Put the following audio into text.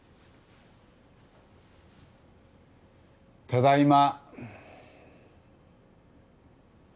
ただいま！